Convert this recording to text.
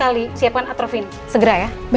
masuk sebentar ya pak